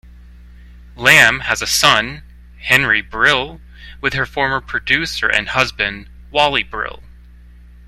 Lamb has a son, Henry Brill, with her former producer and husband, Wally Brill.